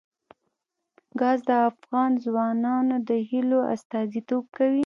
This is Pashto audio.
ګاز د افغان ځوانانو د هیلو استازیتوب کوي.